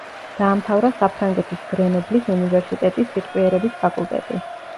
დაამთავრა საფრანგეთის გრენობლის უნივერსიტეტის სიტყვიერების ფაკულტეტი.